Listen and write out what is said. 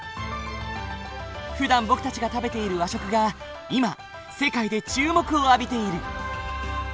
ふだん僕たちが食べている和食が今世界で注目を浴びている。